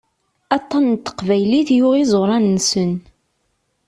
Aṭan n teqbaylit yuɣ iẓuran-nsen.